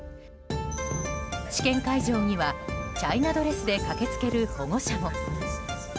試験会場にはチャイナドレスで駆け付ける保護者も。